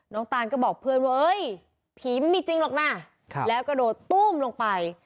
ตานก็บอกเพื่อนว่าเฮ้ยผีไม่มีจริงหรอกนะแล้วกระโดดตู้มลงไป